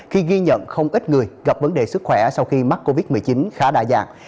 khi ghi nhận không ít người gặp vấn đề sức khỏe sau khi mắc covid một mươi chín khá đa dạng